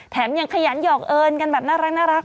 แถมยังขยันหยอกเอิญกันแบบน่ารัก